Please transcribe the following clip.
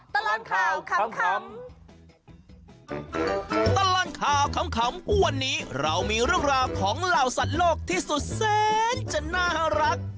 ตลังข่าวขำวันนี้เรามีเรื่องราวของเหล่าสัตว์โลกที่สุดแสนจะน่ารัก